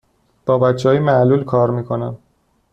با بچه های معلول کار می کنم.